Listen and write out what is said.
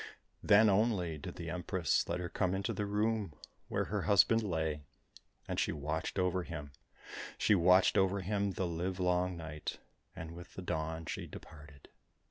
Then only did the Empress let her come into the room where her husband lay. And she watched over him, she watched over him the live long night, and with the dawn she departed.